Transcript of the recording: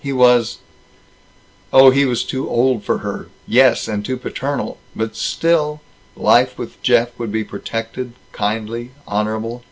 He was Oh, he was too old for her. Yes, and too paternal. But still Life with Jeff would be protected, kindly, honorable.